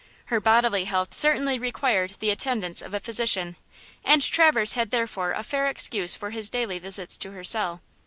Her bodily health certainly required the attendance of a physician, and Traverse had therefore a fair excuse for his daily visits to her cell.